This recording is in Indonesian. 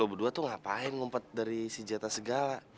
lu berdua tuh ngapain ngumpet dari si zeta segala